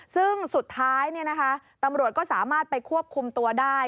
ซึ่งสุดท้ายตำรวจก็สามารถไปควบคุมตัวได้